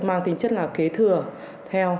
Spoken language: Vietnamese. mang tính chất là kế thừa theo